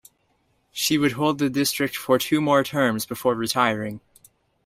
She would hold the district for two more terms before retiring.